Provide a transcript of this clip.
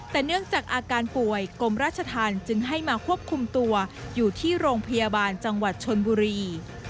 แต่เนื่องจากอาการป่วยกรมราชธรรมจึงให้มาควบคุมตัวอยู่ที่โรงพยาบาลจังหวัดชนบุรี